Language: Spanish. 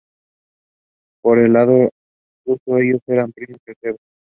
Por el lado ruso, ellos eran primos terceros.